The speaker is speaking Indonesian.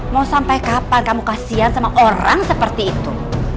mau sampai kapan kamu kasihan sama orang seperti itu